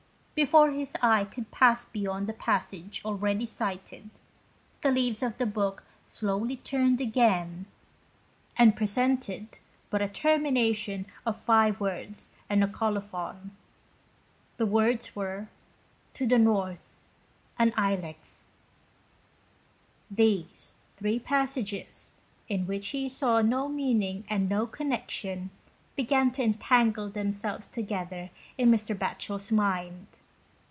Before his eye could pass beyond the passage already cited, the leaves of the book slowly turned again, and presented but a termination of five words and a colophon. The words were, "to the North, an Ilex." These three passages, in which he saw no mean ing and no connection, began to entangle themselves together in Mr. Batchel's mind.